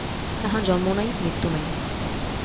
তাঁহার জন্ম নাই, মৃত্যু নাই।